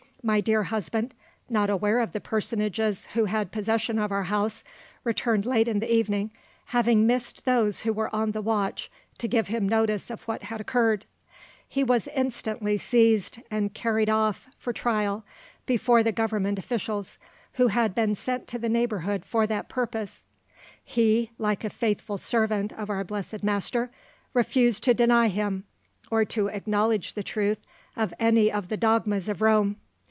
My dear husband, not aware of the personages who had possession of our house, returned late in the evening, having missed those who were on the watch to give him notice of what had occurred. He was instantly seized, and carried off for trial before the Government officials, who had been sent to the neighbourhood for that purpose. He, like a faithful servant of our blessed Master, refused to deny Him, or to acknowledge the truth of any of the dogmas of Rome.